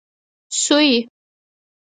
سويي